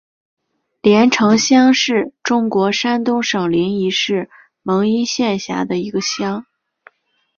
联城乡是中国山东省临沂市蒙阴县下辖的一个乡。